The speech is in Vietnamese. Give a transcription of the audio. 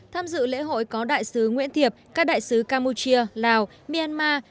tham dự lễ hội có đại sứ nguyễn thiệp các đại sứ campuchia lào myanmar